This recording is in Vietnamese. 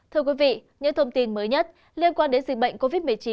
thưa quý vị những thông tin mới nhất liên quan đến dịch bệnh covid một mươi chín